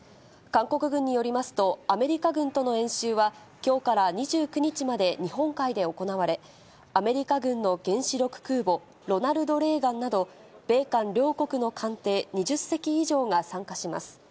韓国軍によりますと、アメリカ軍との演習は、きょうから２９日まで日本海で行われ、アメリカ軍の原子力空母、ロナルド・レーガンなど、米韓両国の艦艇２０隻以上が参加します。